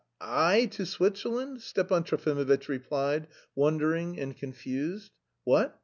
"I... to Switzerland?" Stepan Trofimovitch replied, wondering and confused. "What?